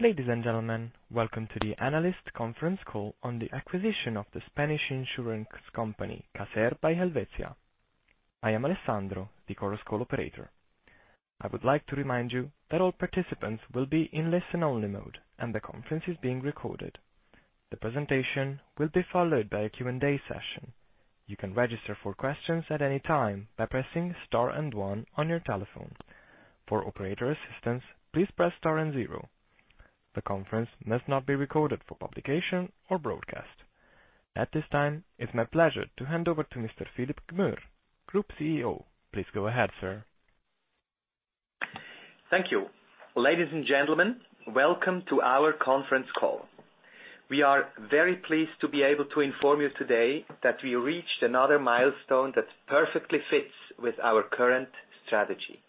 Ladies and gentlemen, welcome to the Analyst Conference Call on the acquisition of the Spanish insurance company, Caser, by Helvetia. I am Alessandro, the Chorus Call operator. I would like to remind you that all participants will be in listen-only mode, and the conference is being recorded. The presentation will be followed by a Q&A session. You can register for questions at any time by pressing Star and One on your telephone. For operator assistance, please press Star and Zero. The conference must not be recorded for publication or broadcast. At this time, it is my pleasure to hand over to Mr. Philipp Gmür, Group CEO. Please go ahead, sir. Thank you. Ladies and gentlemen, welcome to our conference call. We are very pleased to be able to inform you today that we reached another milestone that perfectly fits with our current strategy.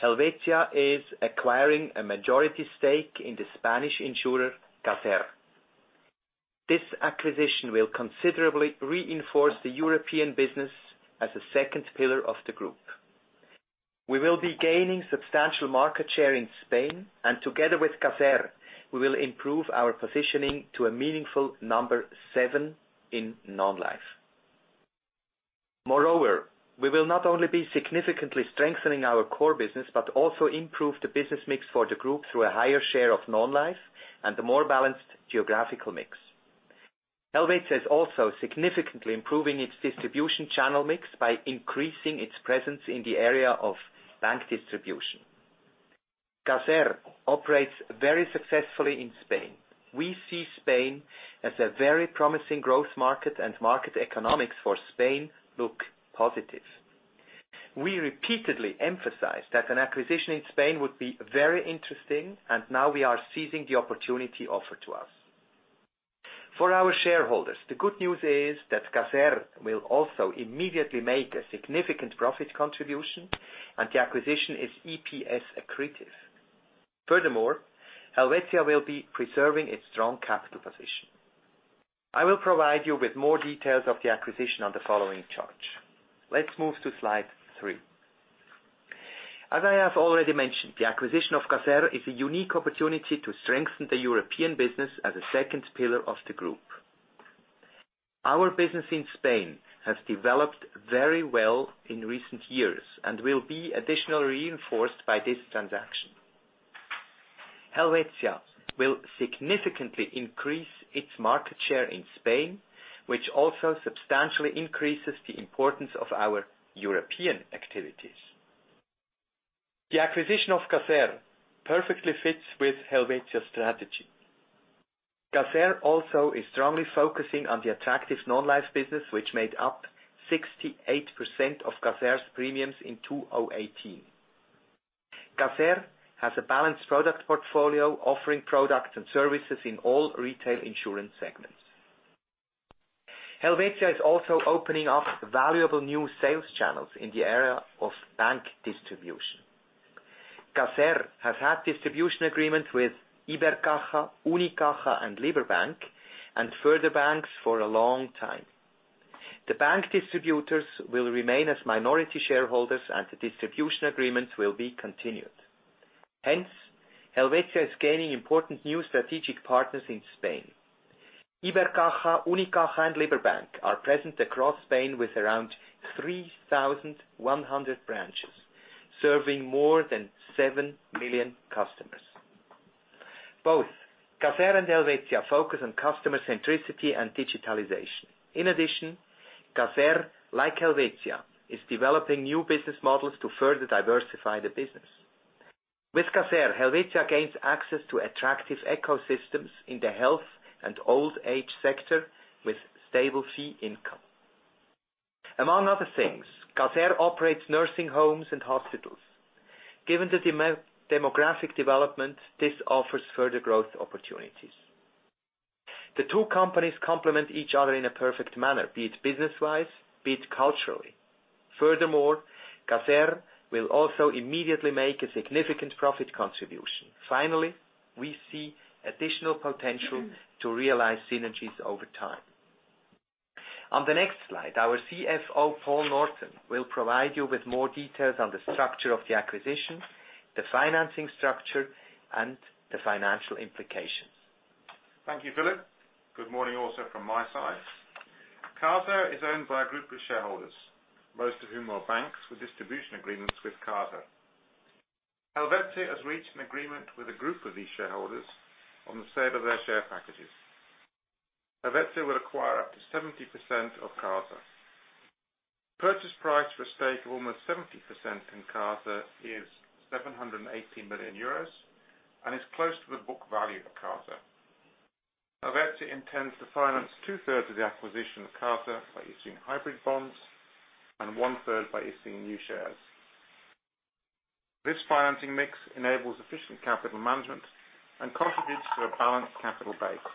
Helvetia is acquiring a majority stake in the Spanish insurer, Caser. This acquisition will considerably reinforce the European business as a second pillar of the group. We will be gaining substantial market share in Spain, and together with Caser, we will improve our positioning to a meaningful number seven in non-life. Moreover, we will not only be significantly strengthening our core business, but also improve the business mix for the group through a higher share of non-life, and a more balanced geographical mix. Helvetia is also significantly improving its distribution channel mix by increasing its presence in the area of bank distribution. Caser operates very successfully in Spain. We see Spain as a very promising growth market, and market economics for Spain look positive. We repeatedly emphasized that an acquisition in Spain would be very interesting, and now we are seizing the opportunity offered to us. For our shareholders, the good news is that Caser will also immediately make a significant profit contribution, and the acquisition is EPS accretive. Furthermore, Helvetia will be preserving its strong capital position. I will provide you with more details of the acquisition on the following chart. Let's move to slide three. As I have already mentioned, the acquisition of Caser is a unique opportunity to strengthen the European business as a second pillar of the group. Our business in Spain has developed very well in recent years and will be additionally reinforced by this transaction. Helvetia will significantly increase its market share in Spain, which also substantially increases the importance of our European activities. The acquisition of Caser perfectly fits with Helvetia's strategy. Caser also is strongly focusing on the attractive non-life business, which made up 68% of Caser's premiums in 2018. Caser has a balanced product portfolio, offering products and services in all retail insurance segments. Helvetia is also opening up valuable new sales channels in the area of bank distribution. Caser has had distribution agreements with Ibercaja, Unicaja, and Liberbank, and further banks for a long time. The bank distributors will remain as minority shareholders, and the distribution agreements will be continued. Hence, Helvetia is gaining important new strategic partners in Spain. Ibercaja, Unicaja, and Liberbank are present across Spain with around 3,100 branches, serving more than 7 million customers. Both Caser and Helvetia focus on customer centricity and digitalization. In addition, Caser, like Helvetia, is developing new business models to further diversify the business. With Caser, Helvetia gains access to attractive ecosystems in the health and old age sector with stable fee income. Among other things, Caser operates nursing homes and hospitals. Given the demographic development, this offers further growth opportunities. The two companies complement each other in a perfect manner, be it business-wise, be it culturally. Caser will also immediately make a significant profit contribution. We see additional potential to realize synergies over time. On the next slide, our CFO, Paul Norton, will provide you with more details on the structure of the acquisition, the financing structure, and the financial implications. Thank you, Philipp. Good morning also from my side. CASER is owned by a group of shareholders, most of whom are banks with distribution agreements with CASER. Helvetia has reached an agreement with a group of these shareholders on the sale of their share packages. Helvetia will acquire up to 70% of CASER. Purchase price for a stake of almost 70% in CASER is 780 million euros and is close to the book value of CASER. Helvetia intends to finance two-thirds of the acquisition of CASER by issuing hybrid bonds and 1/3 by issuing new shares. This financing mix enables efficient capital management and contributes to a balanced capital base.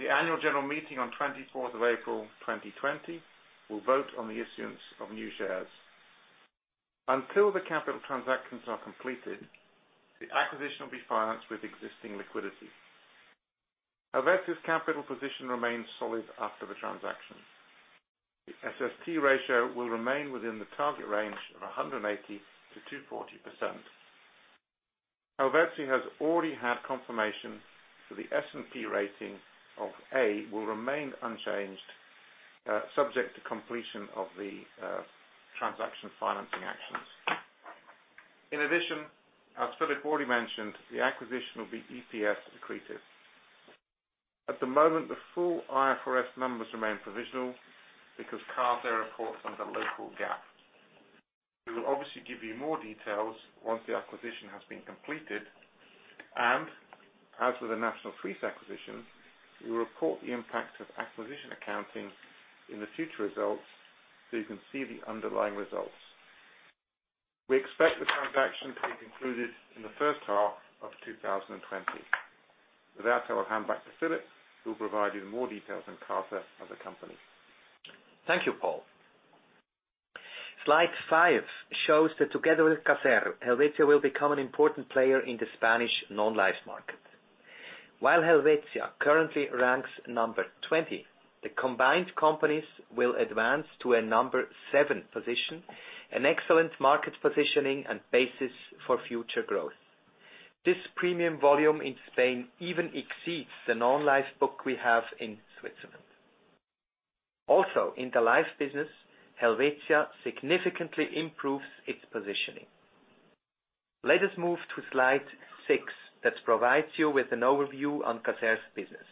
The annual general meeting on 24th of April 2020 will vote on the issuance of new shares. Until the capital transactions are completed, the acquisition will be financed with existing liquidity. Helvetia's capital position remains solid after the transaction. The SST ratio will remain within the target range of 180%-240%. Helvetia has already had confirmation that the S&P rating of A will remain unchanged, subject to completion of the transaction financing actions. As Philipp already mentioned, the acquisition will be EPS accretive. At the moment, the full IFRS numbers remain provisional because CASER reports under local GAAP. We will obviously give you more details once the acquisition has been completed. As with the Nationale Suisse acquisition, we will report the impact of acquisition accounting in the future results so you can see the underlying results. We expect the transaction to be concluded in the first half of 2020. With that, I will hand back to Philipp, who will provide you with more details on CASER as a company. Thank you, Paul. Slide five shows that together with Caser, Helvetia will become an important player in the Spanish non-life market. While Helvetia currently ranks number 20, the combined companies will advance to a number seven position, an excellent market positioning and basis for future growth. This premium volume in Spain even exceeds the non-life book we have in Switzerland. In the life business, Helvetia significantly improves its positioning. Let us move to slide six, that provides you with an overview on Caser's business.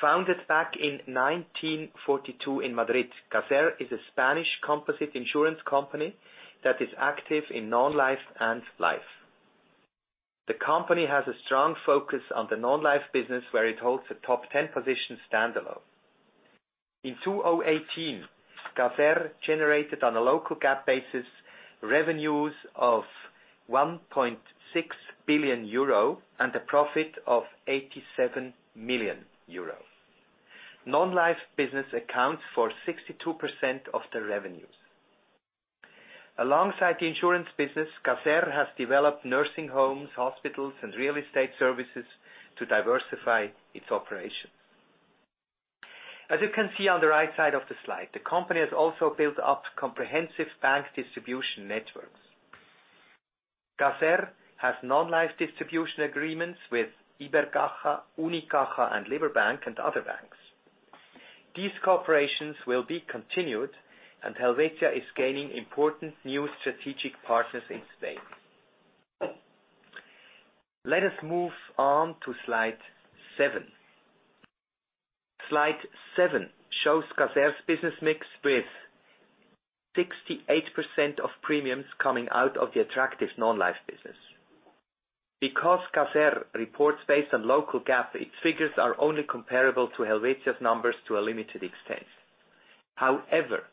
Founded back in 1942 in Madrid, Caser is a Spanish composite insurance company that is active in non-life and life. The company has a strong focus on the non-life business, where it holds a top 10 position standalone. In 2018, Caser generated on a local GAAP basis revenues of 1.6 billion euro and a profit of 87 million euro. Non-life business accounts for 62% of the revenues. Alongside the insurance business, Caser has developed nursing homes, hospitals, and real estate services to diversify its operations. As you can see on the right side of the slide, the company has also built up comprehensive bank distribution networks. Caser has non-life distribution agreements with Ibercaja, Unicaja, and Liberbank, and other banks. These cooperations will be continued, and Helvetia is gaining important new strategic partners in Spain. Let us move on to slide seven. Slide seven shows Caser's business mix with 68% of premiums coming out of the attractive non-life business. Because Caser reports based on local GAAP, its figures are only comparable to Helvetia's numbers to a limited extent. However,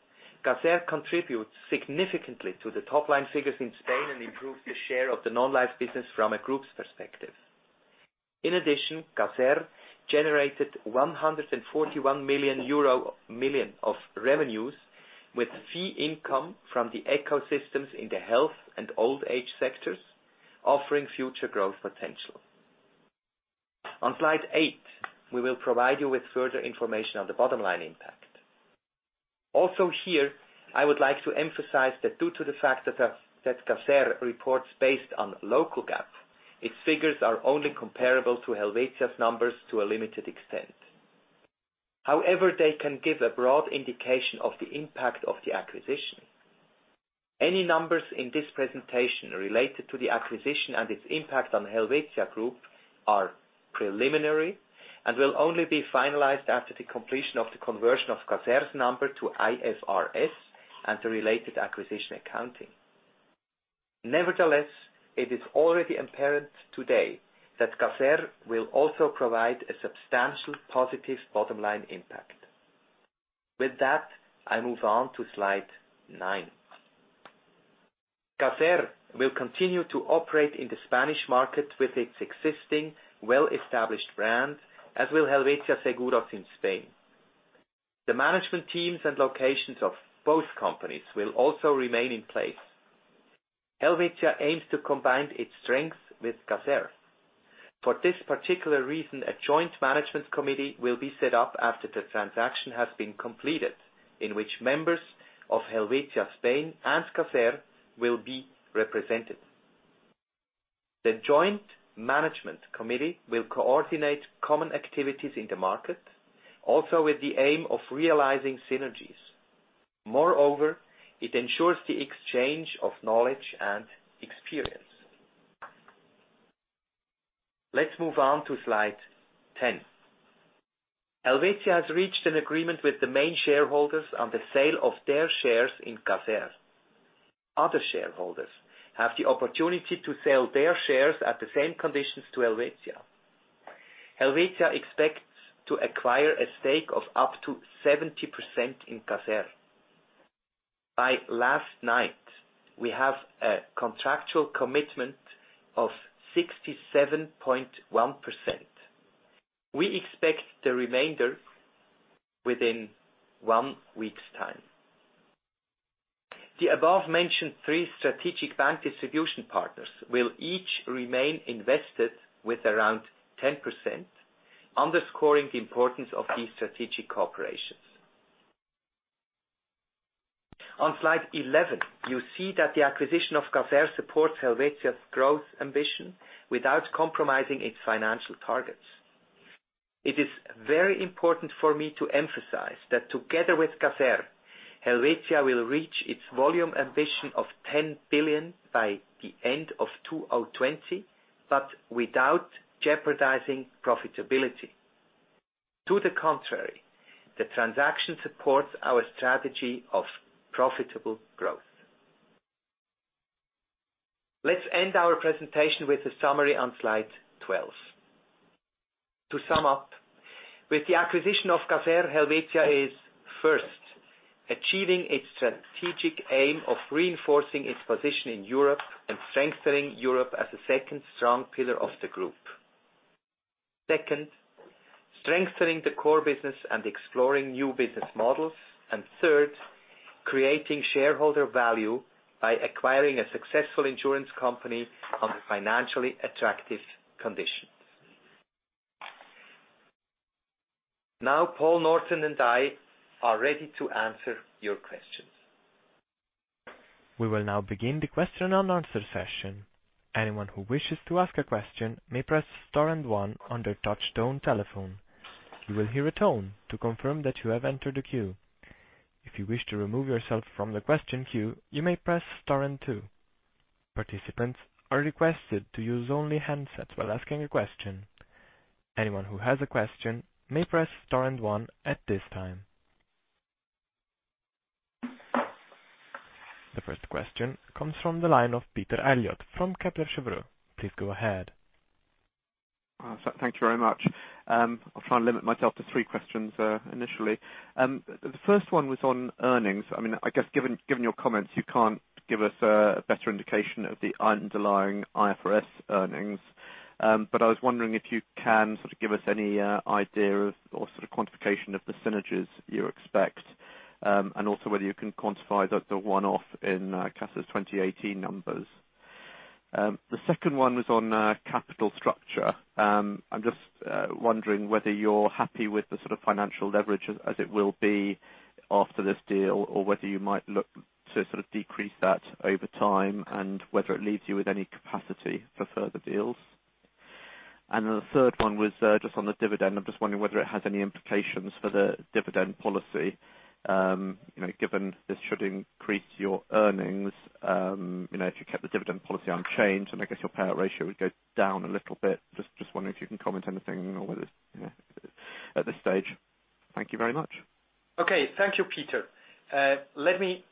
Caser contributes significantly to the top-line figures in Spain and improves the share of the non-life business from a group's perspective. In addition, Caser generated 141 million euro of revenues with fee income from the ecosystems in the health and old-age sectors, offering future growth potential. On slide eight, we will provide you with further information on the bottom-line impact. Also here, I would like to emphasize that due to the fact that Caser reports based on local GAAP, its figures are only comparable to Helvetia's numbers to a limited extent. However, they can give a broad indication of the impact of the acquisition. Any numbers in this presentation related to the acquisition and its impact on Helvetia Group are preliminary and will only be finalized after the completion of the conversion of Caser's number to IFRS and the related acquisition accounting. Nevertheless, it is already apparent today that Caser will also provide a substantial positive bottom-line impact. With that, I move on to slide nine. Caser will continue to operate in the Spanish market with its existing well-established brand, as will Helvetia Seguros in Spain. The management teams and locations of both companies will also remain in place. Helvetia aims to combine its strengths with Caser. For this particular reason, a joint management committee will be set up after the transaction has been completed in which members of Helvetia Spain and Caser will be represented. The joint management committee will coordinate common activities in the market, also with the aim of realizing synergies. Moreover, it ensures the exchange of knowledge and experience. Let's move on to slide 10. Helvetia has reached an agreement with the main shareholders on the sale of their shares in Caser. Other shareholders have the opportunity to sell their shares at the same conditions to Helvetia. Helvetia expects to acquire a stake of up to 70% in Caser. By Helvetia, we have a contractual commitment of 67.1%. We expect the remainder within one week's time. The above mentioned three strategic bank distribution partners will each remain invested with around 10%, underscoring the importance of these strategic cooperations. On slide 11, you see that the acquisition of Caser supports Helvetia's growth ambition without compromising its financial targets. It is very important for me to emphasize that together with Caser, Helvetia will reach its volume ambition of 10 billion by the end of 2020, without jeopardizing profitability. To the contrary, the transaction supports our strategy of profitable growth. Let's end our presentation with a summary on slide 12. To sum up, with the acquisition of Caser, Helvetia is first, achieving its strategic aim of reinforcing its position in Europe and strengthening Europe as a second strong pillar of the group. Second, strengthening the core business and exploring new business models. Third, creating shareholder value by acquiring a successful insurance company under financially attractive conditions. Now Paul Norton and I are ready to answer your questions. We will now begin the question-and-answer session. Anyone who wishes to ask a question may press star and one on their touchtone telephone. You will hear a tone to confirm that you have entered the queue. If you wish to remove yourself from the question queue, you may press star and two. Participants are requested to use only handsets while asking a question. Anyone who has a question may press star and one at this time. The first question comes from the line of Peter Eliot from Kepler Cheuvreux. Please go ahead. Thank you very much. I'll try and limit myself to three questions initially. The first one was on earnings. I guess given your comments, you can't give us a better indication of the underlying IFRS earnings. I was wondering if you can sort of give us any idea of, or sort of quantification of the synergies you expect. Also whether you can quantify the one-off in Caser's 2018 numbers. The second one was on capital structure. I'm just wondering whether you're happy with the sort of financial leverage as it will be after this deal or whether you might look to sort of decrease that over time and whether it leaves you with any capacity for further deals. The third one was just on the dividend. I'm just wondering whether it has any implications for the dividend policy. Given this should increase your earnings, if you kept the dividend policy unchanged and I guess your payout ratio would go down a little bit. I am just wondering if you can comment anything or whether at this stage? Thank you very much. Okay. Thank you, Peter. Let me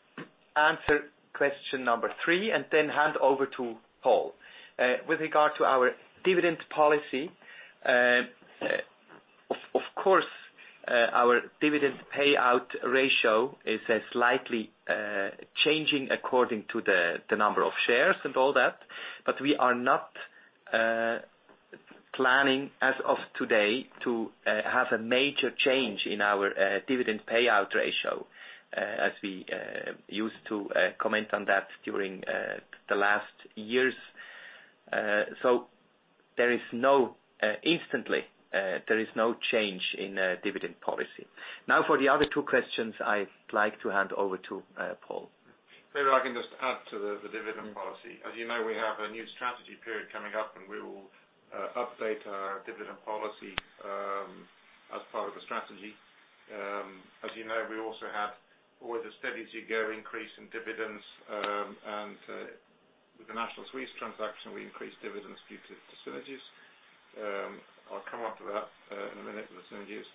answer question number three and then hand over to Paul. With regard to our dividend policy, of course, our dividend payout ratio is slightly changing according to the number of shares and all that, but we are not planning as of today to have a major change in our dividend payout ratio, as we used to comment on that during the last years. Instantly there is no change in dividend policy. For the other two questions, I'd like to hand over to Paul. Maybe I can just add to the dividend policy. As you know, we have a new strategy period coming up, and we will update our dividend policy as part of the strategy. As you know, we also have all the steady as you go increase in dividends. With the Nationale Suisse transaction, we increased dividends due to synergies. I'll come on to that in a minute with synergies.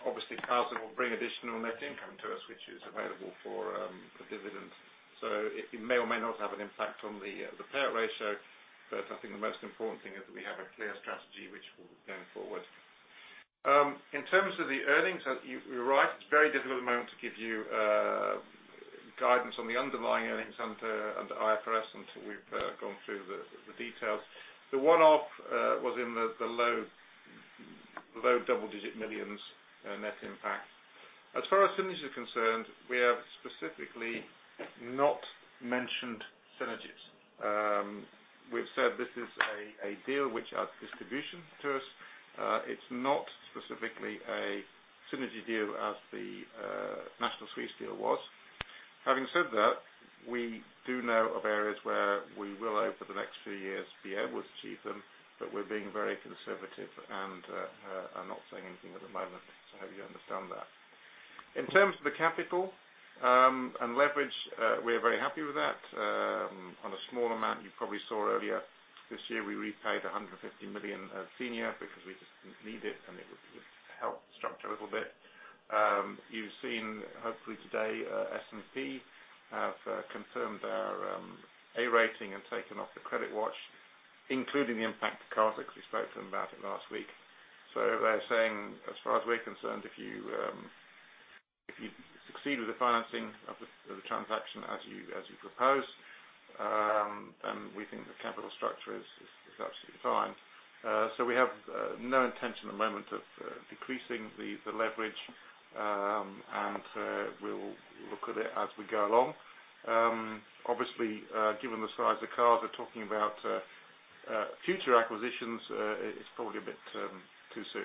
Obviously Caser will bring additional net income to us, which is available for dividends. It may or may not have an impact on the payout ratio. I think the most important thing is that we have a clear strategy which will go forward. In terms of the earnings, you're right, it's very difficult at the moment to give you guidance on the underlying earnings under IFRS until we've gone through the details. The one-off was in the CHF low double-digit millions net impact. As far as synergies are concerned, we have specifically not mentioned synergies. We've said this is a deal which adds distribution to us. It's not specifically a synergy deal as the Nationale Suisse deal was. Having said that, we do know of areas where we will, over the next few years, be able to achieve them, but we're being very conservative and are not saying anything at the moment. I hope you understand that. In terms of the capital and leverage, we are very happy with that. On a small amount you probably saw earlier this year, we repaid 150 million of senior because we just didn't need it, and it would help structure a little bit. You've seen, hopefully today, S&P have confirmed our A rating and taken off the credit watch, including the impact of Caser, because we spoke to them about it last week. They're saying, as far as we're concerned, if you succeed with the financing of the transaction as you propose. We think the capital structure is absolutely fine. We have no intention at the moment of decreasing the leverage, and we'll look at it as we go along. Obviously, given the size of Caser, we're talking about future acquisitions, it's probably a bit too soon.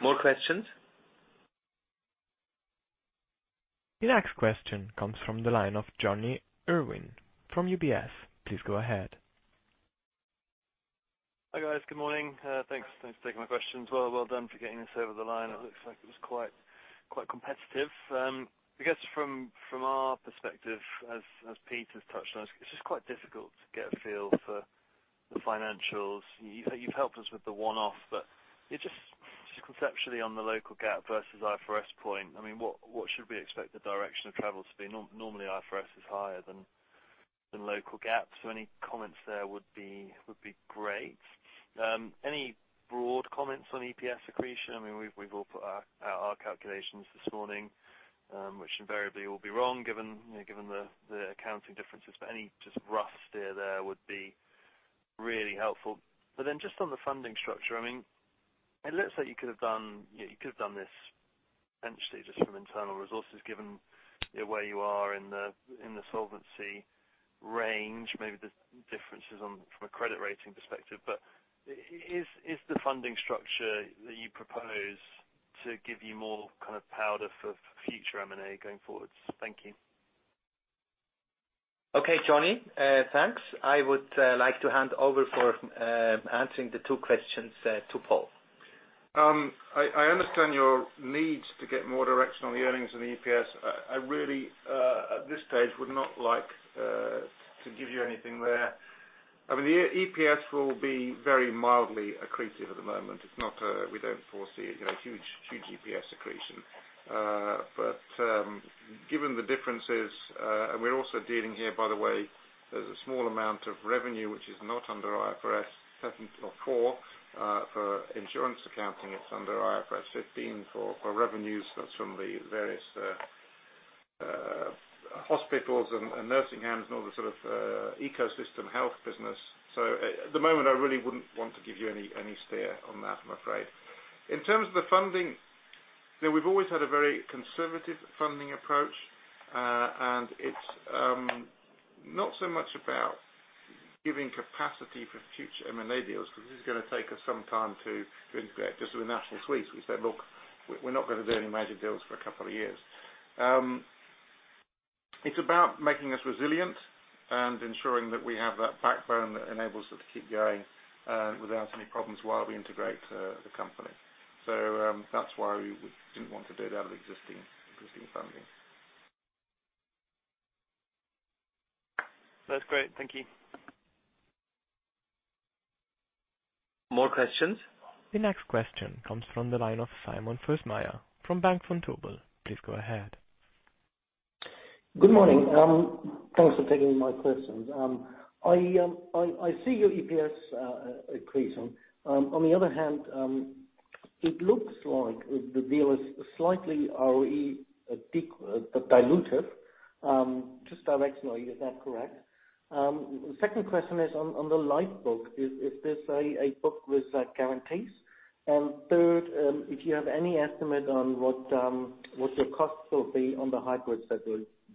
More questions? The next question comes from the line of John Urwin from UBS. Please go ahead. Hi, guys. Good morning. Thanks for taking my questions. Well done for getting this over the line. It looks like it was quite competitive. I guess from our perspective, as Peter's touched on, it's just quite difficult to get a feel for the financials. You've helped us with the one-off, but just conceptually on the local GAAP versus IFRS point, what should we expect the direction of travel to be? Normally, IFRS is higher than local GAAP, so any comments there would be great. Any broad comments on EPS accretion? We've all put out our calculations this morning, which invariably will be wrong given the accounting differences, but any just rough steer there would be really helpful. Just on the funding structure, it looks like you could have done this potentially just from internal resources, given where you are in the solvency range. Maybe there's differences from a credit rating perspective, but is the funding structure that you propose to give you more powder for future M&A going forwards? Thank you. Okay, Johnny. Thanks. I would like to hand over for answering the two questions to Paul. I understand your need to get more direction on the earnings and the EPS. I really, at this stage, would not like to give you anything there. The EPS will be very mildly accretive at the moment. We don't foresee a huge EPS accretion. Given the differences, and we're also dealing here, by the way, there's a small amount of revenue which is not under IFRS 17 or four for insurance accounting. It's under IFRS 15 for revenues from the various hospitals and nursing homes and all the sort of ecosystem health business. At the moment, I really wouldn't want to give you any steer on that, I'm afraid. In terms of the funding, we've always had a very conservative funding approach, and it's not so much about giving capacity for future M&A deals, because this is going to take us some time to integrate. Just with Nationale Suisse, we said, "Look, we're not going to do any major deals for a couple of years." It's about making us resilient and ensuring that we have that backbone that enables us to keep going without any problems while we integrate the company. That's why we didn't want to do it out of existing funding. That's great. Thank you. More questions? The next question comes from the line of Simon Fössmeier from Bank Vontobel. Please go ahead. Good morning. Thanks for taking my questions. I see your EPS accretion. On the other hand, it looks like the deal is slightly ROE dilutive, just directionally. Is that correct? Second question is on the life book. Is this a book with guarantees? Third, if you have any estimate on what your costs will be on the hybrids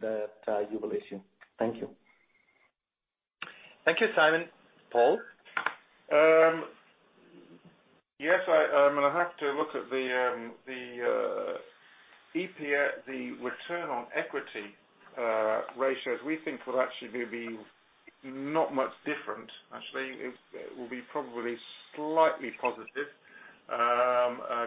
that you will issue. Thank you. Thank you, Simon. Paul? Yes. I'm going to have to look at the return on equity ratios. We think it will actually be not much different, actually. It will be probably slightly positive,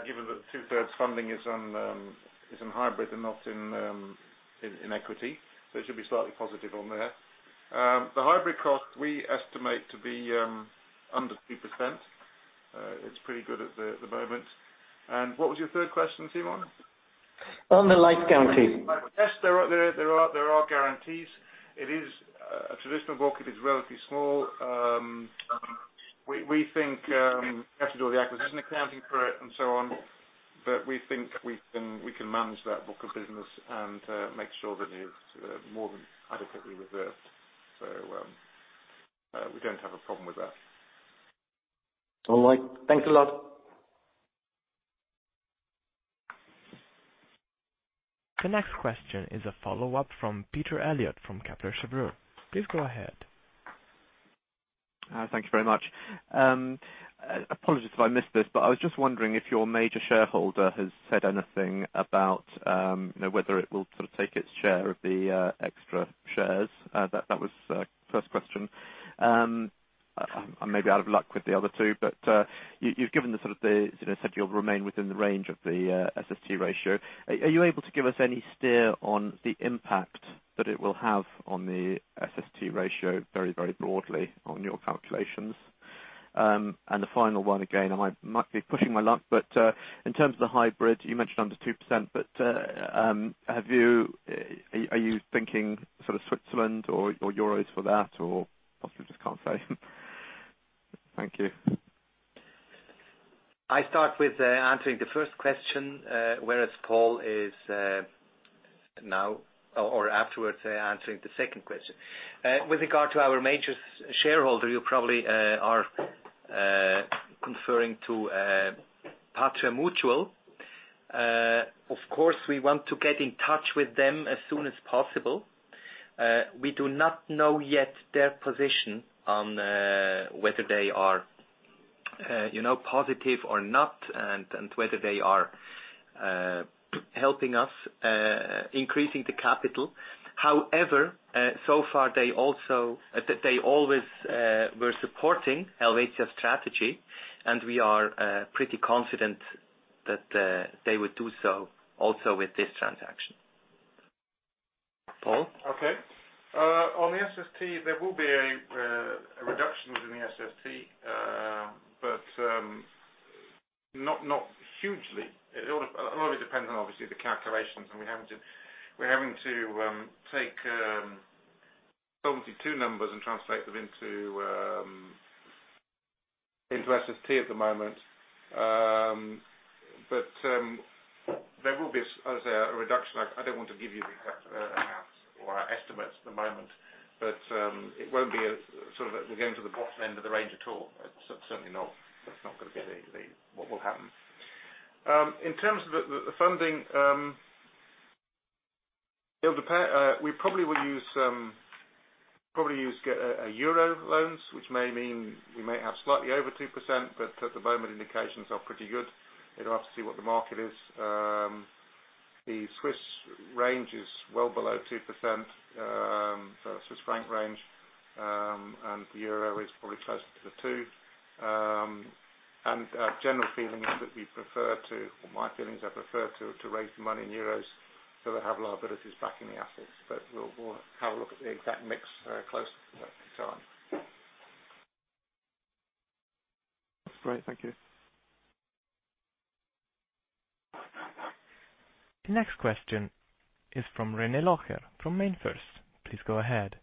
given that 2/3 funding is in hybrid and not in equity. It should be slightly positive on there. The hybrid cost we estimate to be under 2%. It's pretty good at the moment. What was your third question, Simon? On the life guarantee. Yes. There are guarantees. It is a traditional book. It is relatively small. We have to do the acquisition accounting for it and so on. We think we can manage that book of business and make sure that it is more than adequately reserved. We don't have a problem with that. All right. Thanks a lot. The next question is a follow-up from Peter Eliot from Kepler Cheuvreux. Please go ahead. Thank you very much. Apologies if I missed this, but I was just wondering if your major shareholder has said anything about whether it will take its share of the extra shares. That was the first question. I may be out of luck with the other two, but you've said you'll remain within the range of the SST ratio. Are you able to give us any steer on the impact that it will have on the SST ratio very broadly on your calculations? The final one, again, I might be pushing my luck, but in terms of the hybrid, you mentioned under 2%, but are you thinking Switzerland or euros for that, or possibly just can't say? Thank you. I start with answering the first question, whereas Paul is afterwards answering the second question. With regard to our major shareholder, you probably are referring to Patria Genossenschaft. Of course, we want to get in touch with them as soon as possible. We do not know yet their position on whether they are positive or not, and whether they are helping us increasing the capital. However, so far, they always were supporting Helvetia's strategy, and we are pretty confident that they would do so also with this transaction. Paul? On the SST, there will be a reduction within the SST, but not hugely. A lot of it depends on, obviously, the calculations, and we're having to take Solvency II numbers and translate them into SST at the moment. There will be, as I say, a reduction. I don't want to give you the exact amounts or estimates at the moment, but it won't be as we're getting to the bottom end of the range at all. Certainly not going to get into what will happen. In terms of the funding, it'll depend. We probably will use euro loans, which may mean we may have slightly over 2%, but at the moment, indications are pretty good. We have to see what the market is. The Swiss range is well below 2%, so Swiss franc range, and the euro is probably closer to the 2%. Our general feeling is that we prefer to, or my feeling is I prefer to raise the money in EUR so that we have liabilities backing the assets. We'll have a look at the exact mix closer to that time. Great. Thank you. The next question is from René Locher from MainFirst. Please go ahead.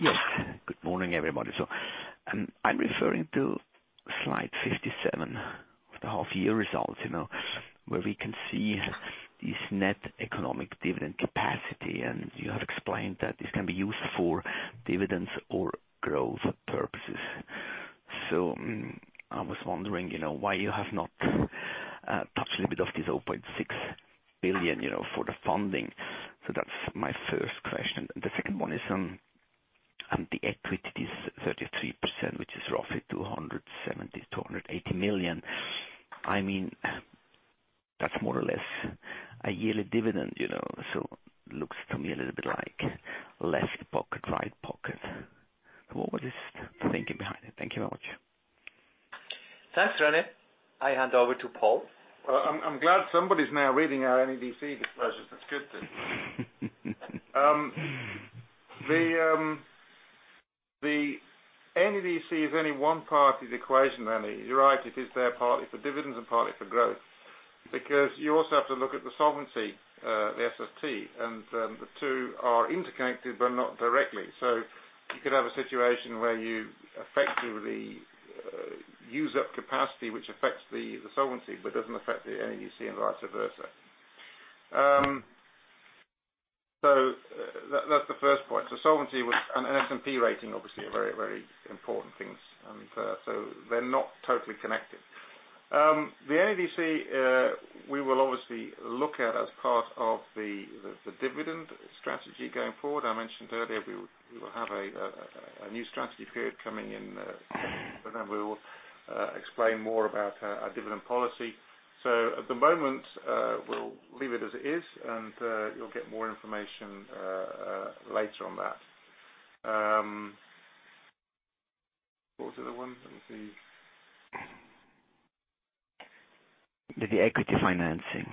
Yes. Good morning, everybody. I'm referring to slide 57 of the half year results, where we can see this net economic dividend capacity, and you have explained that this can be used for dividends or growth purposes. I was wondering why you have not touched a bit of this 0.6 billion for the funding. That's my first question. The second one is on the equity, this 33%, which is roughly 270 million-280 million. I mean, that's more or less a yearly dividend. Looks to me a little bit like left pocket, right pocket. What was this thinking behind it? Thank you very much. Thanks, René. I hand over to Paul. Well, I'm glad somebody's now reading our NEDC disclosures. That's good to. The NEDC is only one part of the equation, René. You're right, it is there partly for dividends and partly for growth. You also have to look at the solvency, the SST, and the two are interconnected, but not directly. You could have a situation where you effectively use up capacity, which affects the solvency but doesn't affect the NEDC and vice versa. That's the first point. Solvency and S&P rating, obviously, are very important things. They're not totally connected. The NEDC, we will obviously look at as part of the dividend strategy going forward. I mentioned earlier, we will have a new strategy period coming in, we will explain more about our dividend policy. At the moment, we'll leave it as it is, and you'll get more information later on that. What was the other one? Let me see. The equity financing.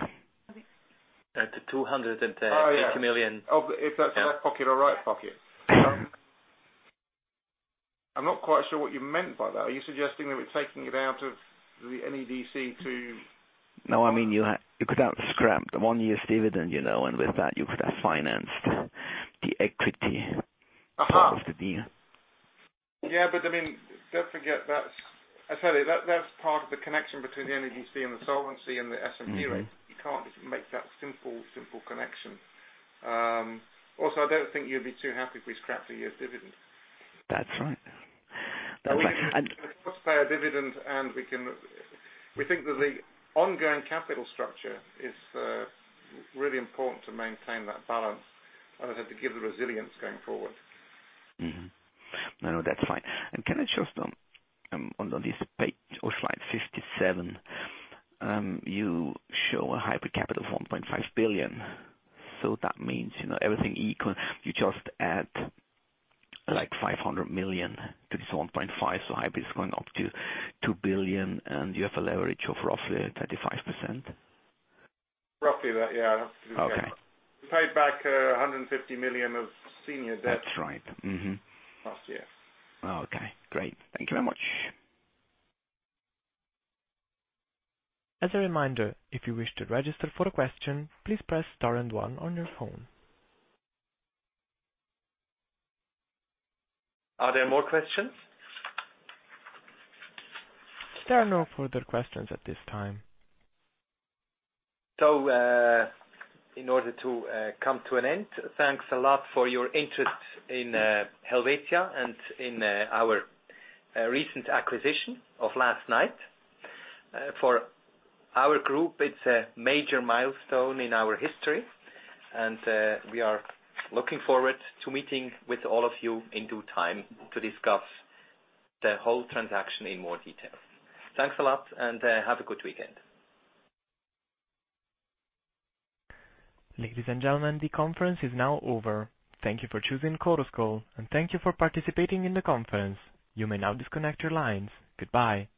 The 280 million. If that's left pocket or right pocket. I'm not quite sure what you meant by that. Are you suggesting that we're taking it out of the NEDC to No, I mean, you could have scrapped the one year's dividend, and with that, you could have financed the equity. Aha part of the deal. Yeah, I mean, don't forget that's part of the connection between the NEDC and the solvency and the S&P rating. You can't just make that simple connection. Also, I don't think you'd be too happy if we scrapped a year's dividend. That's right. We can still pay a dividend, and we think that the ongoing capital structure is really important to maintain that balance as to give the resilience going forward. No, that's fine. Can I just, on this page or slide 57, you show a hybrid capital of 1.5 billion. That means everything equal, you just add 500 million to this 1.5 billion, hybrid is going up to 2 billion and you have a leverage of roughly 35%? Roughly that, yeah. Okay. We paid back 150 million of senior debt. That's right. Mm-hmm. Last year. Okay, great. Thank you very much. As a reminder, if you wish to register for a question, please press star and one on your phone. Are there more questions? There are no further questions at this time. In order to come to an end, thanks a lot for your interest in Helvetia and in our recent acquisition of Caser. For our group, it's a major milestone in our history, and we are looking forward to meeting with all of you in due time to discuss the whole transaction in more detail. Thanks a lot, and have a good weekend. Ladies and gentlemen, the conference is now over. Thank you for choosing Chorus Call, and thank you for participating in the conference. You may now disconnect your lines. Goodbye.